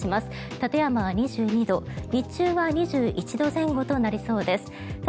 館山は２２度日中は２１度前後となりそうです。